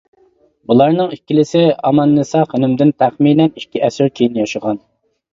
بۇلارنىڭ ئىككىلىسى ئاماننىسا خېنىمدىن تەخمىنەن ئىككى ئەسىر كېيىن ياشىغان.